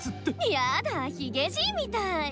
やだぁヒゲじいみたい。